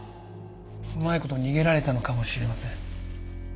うまいこと逃げられたのかもしれません。